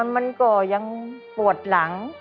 มันก็ยังปวดหลัง